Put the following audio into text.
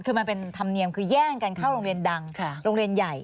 คือมันเป็นธรรมเนียมคือแย่งกันเข้าโรงเรียนดังโรงเรียนใหญ่